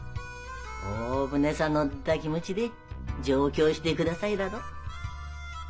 「大船さ乗った気持ちで上京してください」だと。